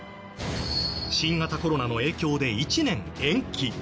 新型コロナの影響で１年延期。